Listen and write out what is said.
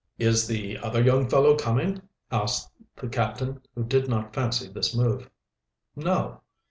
"Is the other young fellow coming?" asked the captain, who did not fancy this move. "No."